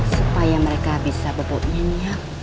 supaya mereka bisa berbunyi niat